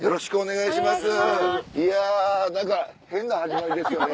いや何か変な始まりですよね。